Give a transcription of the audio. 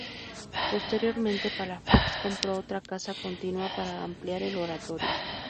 Posteriormente, Palafox compró otra casa continua para ampliar el oratorio.